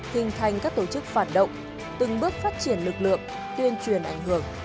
hình thành các tổ chức phản động từng bước phát triển lực lượng tuyên truyền ảnh hưởng